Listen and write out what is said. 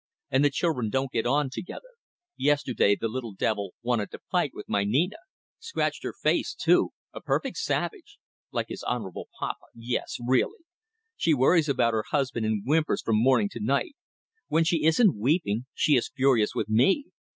And the children don't get on together. Yesterday the little devil wanted to fight with my Nina. Scratched her face, too. A perfect savage! Like his honourable papa. Yes, really. She worries about her husband, and whimpers from morning to night. When she isn't weeping she is furious with me.